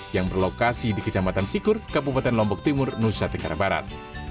yang berlokasi di kecamatan sikur kabupaten lombok timur nusa tenggara barat